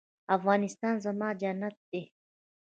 افغانستان زما جنت دی